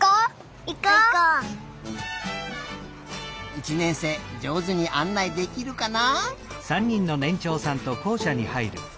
１年生じょうずにあんないできるかな？